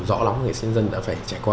rõ lắm nghệ sĩ dân đã phải trải qua